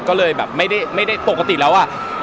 ก็เลยแบบไม่ได้ปกติแล้วอะ